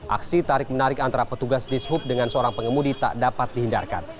aksi tarik menarik antara petugas dishub dengan seorang pengemudi tak dapat dihindarkan